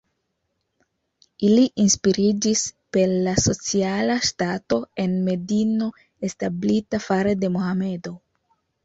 Ili inspiriĝis per la sociala ŝtato en Medino establita fare de Mohamedo.